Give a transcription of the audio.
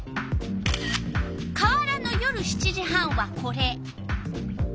川原の夜７時半はこれ。